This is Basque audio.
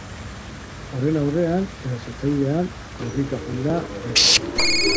Horren aurrean, erasotzailea korrika joan da bertatik.